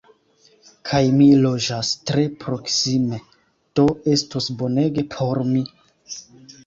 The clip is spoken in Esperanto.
Kaj mi loĝas tre proksime! Do estus bonege por mi!